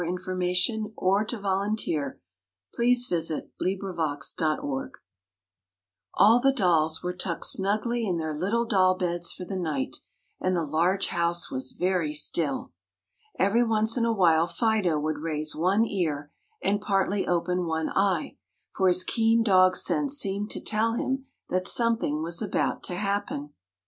RAGGEDY ANN AND THE FAIRIES' GIFT All the dolls were tucked snugly in their little doll beds for the night and the large house was very still. Every once in a while Fido would raise one ear and partly open one eye, for his keen dog sense seemed to tell him that something was about to happen.